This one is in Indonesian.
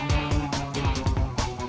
gak ada apa apa